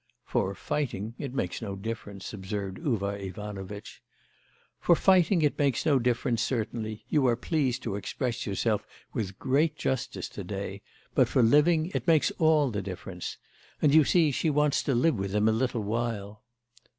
'For fighting... it makes no difference,' observed Uvar Ivanovitch. 'For fighting it makes no difference, certainly; you are pleased to express yourself with great justice to day; but for living it makes all the difference. And you see she wants to live with him a little while.